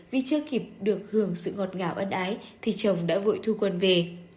vì chưa kịp được hưởng sự ngọt ngào ân ái thì chồng đã vội thu quân về